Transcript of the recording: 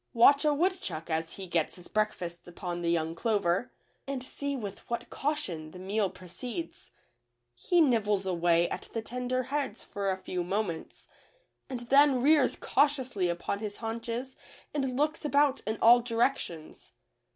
Watch a woodchuck as he gets his breakfast upon the young clover, and see with what caution the meal proceeds. He nibbles away at the tender heads for a few moments, and then rears cautiously upon his haunches and 20 A LIFE OF FEAR. 21 looks about in all directions.